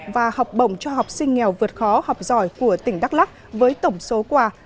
và học bổng cho học sinh nghèo vượt khó học giỏi của tỉnh đắk lắc với tổng số quà